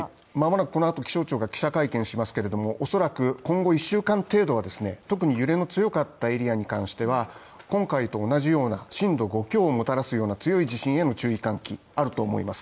この後気象庁が記者会見しますけれども、おそらく今後１週間程度は特に揺れの強かったエリアに関しては、今回と同じような震度５強をもたらすような強い地震への注意喚起、あると思います。